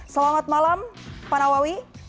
selamat malam pak nawawi